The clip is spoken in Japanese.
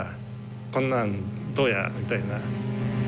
「こんなんどうや」みたいな。